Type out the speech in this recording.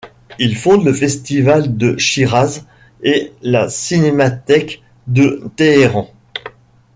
Il fonde le Festival de Shiraz et la cinémathèque de Téhéran.